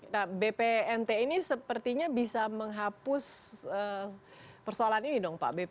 nah bpnt ini sepertinya bisa menghapus persoalan ini dong pak